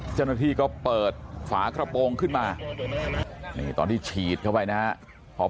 เจ้าหน้าที่ก็เปิดฝากระโปรงขึ้นมานี่ตอนที่ฉีดเข้าไปนะครับ